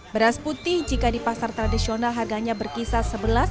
beras putih jika di pasar tradisional harganya berkisar